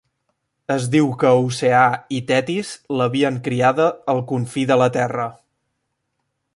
Es diu que Oceà i Tetis l'havien criada al confí de la terra.